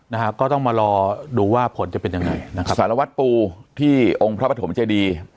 นะฮะก็ต้องมารอดูว่าผลจะเป็นยังไงนะครับสารวัตรปูที่องค์พระปฐมเจดี